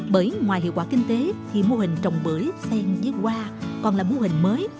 bởi ngoài hiệu quả kinh tế thì mô hình trồng bưởi sen với hoa còn là mô hình mới